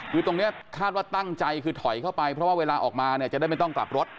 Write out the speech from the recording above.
คือตรงนี้คาดว่าตั้งใจคือถอยเข้าไปเพราะว่าเวลาออกมาเนี่ยจะได้ไม่ต้องกลับรถ